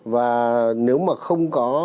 và nếu mà không có